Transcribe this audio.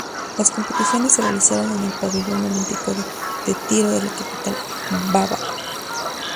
Las competiciones se realizaron en el Pabellón Olímpico de Tiro de la capital bávara.